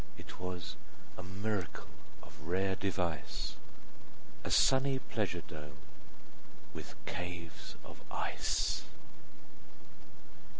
It was a miracle of rare device, 35 A sunny pleasure dome with caves of ice!